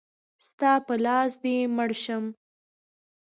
ستا په لاس دی مړ شم.